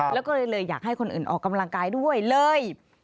แล้วก็เลยอยากให้คนอื่นออกกำลังกายด้วยเลย